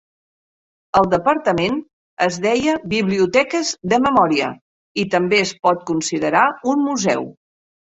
El departament es deia "biblioteques de memòria" i també es pot considerar un museu.